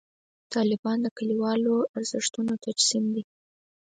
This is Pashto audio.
طالبان د کلیوالو ارزښتونو تجسم دی.